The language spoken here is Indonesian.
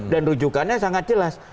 dan rujukannya sangat jelas